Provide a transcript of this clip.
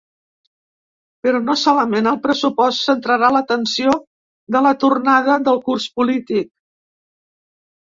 Però no solament el pressupost centrarà l’atenció de la tornada del curs polític.